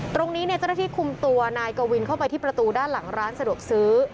ตรงนี้เจ้าหน้าที่คุมตัวนายกวินเข้าไปที่ประตูด้านหลังร้านสะดวกซื้อ